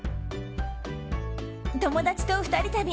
友達と２人旅。